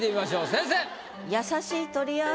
先生！